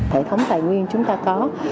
hệ thống tài nguyên chúng ta có